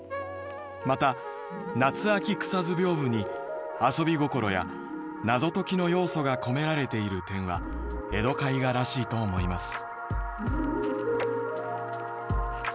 また『夏秋草図屏風』に遊び心や謎解きの要素が込められている点は江戸絵画らしいと思います」。